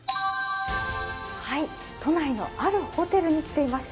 都内のあるホテルに来ています。